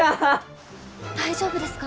大丈夫ですか？